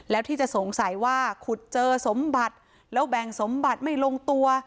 แล้วที่จะสงสัยว่าขุดเจอสมบัติแล้วแบ่งสมบัติไม่ลงตัว